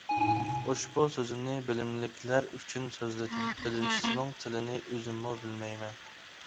ئۇشبۇ سۆزۈمنى بىلىملىكلەر ئۈچۈن سۆزلىدىم، بىلىمسىزنىڭ تىلىنى ئۆزۈممۇ بىلمەيمەن.